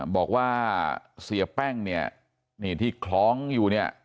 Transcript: บอกว่าเสียแป้งเนี่ยนี่ที่คล้องอยู่เนี่ย